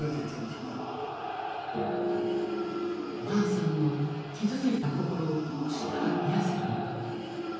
ラーさんの傷ついた心をどうしたら癒やせるのか。